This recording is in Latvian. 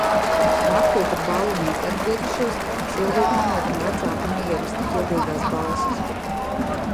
Naktī, kad ballinieki atgriezušies, Silviju pamodina vecāku neierasti ķildīgās balsis.